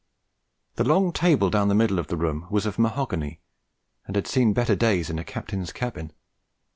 The long table down the middle of the room was of mahogany and had seen better days in a captain's cabin.